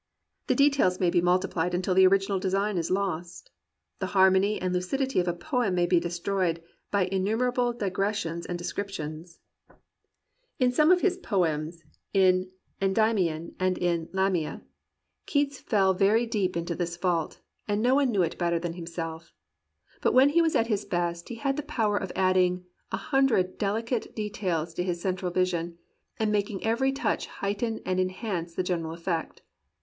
The details may be multipHed until the original design is lost. The harmony and lucidity of a poem may be destroyed by innumer able digressions and descriptions. In some of his 179 COMPANIONABLE BOOKS fK)ems — in "Endymion" and in "Lamia'* — Keats fell very deep into this fault, and no one knew it better than himself. But when he was at his best he had the power of adding a hundred delicate de tails to his central vision, and making every touch heighten and enhance the general effect.